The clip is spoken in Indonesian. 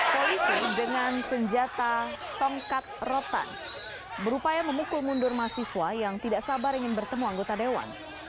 polisi dengan senjata tongkat rotan berupaya memukul mundur mahasiswa yang tidak sabar ingin bertemu anggota dewan